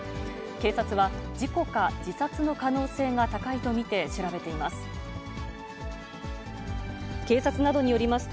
警察は、事故か自殺の可能性が高いと見て調べています。